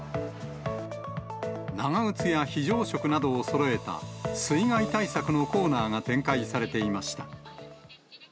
長靴や非常食などをそろえた、水害対策のコーナーが展開されていました。